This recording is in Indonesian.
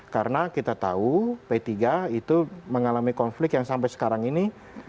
karena kita tahu p tiga itu mengalami konflik yang sampai sekarang ini